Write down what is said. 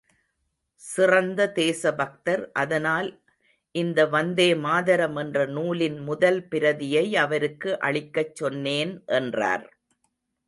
சிறந்த தேசபக்தர். அதனால் இந்த வந்தே மாதரம் என்ற நூலின் முதல் பிரதியை அவருக்கு அளிக்கச் சொன்னேன் என்றார்.